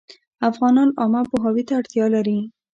افغانان عامه پوهاوي ته اړتیا لري